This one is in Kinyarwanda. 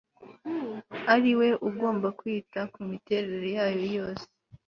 ari we ugomba kwita ku miterere yayo yose